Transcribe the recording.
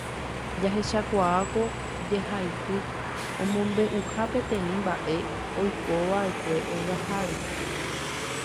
Jahechakuaa ko jehaipy omombe'uha peteĩ mba'e oikova'ekue okaháre